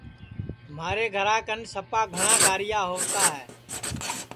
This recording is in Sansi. مھارے گھرا کن سپا گھٹؔا گاریا ہؤتا ہے